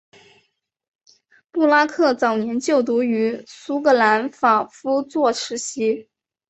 布拉克早年就读于苏格兰法夫作实习。